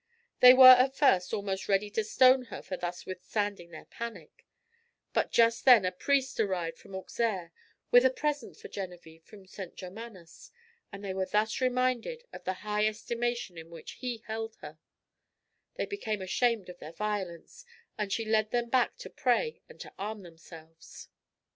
They were at first almost ready to stone her for thus withstanding their panic, but just then a priest arrived from Auxerre, with a present for Genevičve from St. Germanus, and they were thus reminded of the high estimation in which he held her; they became ashamed of their violence, and she led them back to pray and to arm themselves.